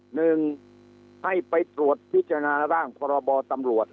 หนึ่งให้ไปตรวจพิจารณาร่างพรบตำรวจ